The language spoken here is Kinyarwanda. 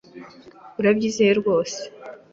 Urabyizeye rwose?